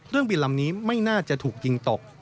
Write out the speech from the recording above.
บินลำนี้ไม่น่าจะถูกยิงตก